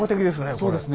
そうですね。